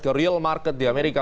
ke real market di amerika